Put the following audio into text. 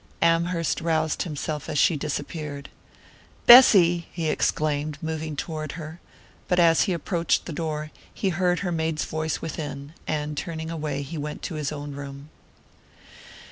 Amherst roused himself as she disappeared. "Bessy!" he exclaimed, moving toward her; but as he approached the door he heard her maid's voice within, and turning away he went to his own room.